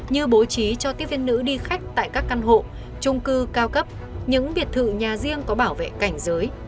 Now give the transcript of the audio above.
như bố trí cho tiếp viên nữ đi khách tại các căn hộ trung cư cao cấp những biệt thự nhà riêng có bảo vệ cảnh giới